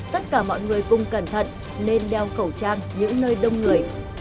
tất cả mọi người cùng cẩn thận nên đeo khẩu trang những nơi đông người